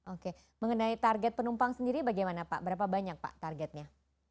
oke mengenai target penumpang sendiri bagaimana pak berapa banyak pak targetnya